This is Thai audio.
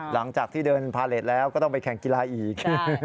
หลังจากที่เดินพาเลสแล้วก็ต้องไปแข่งกีฬาอีก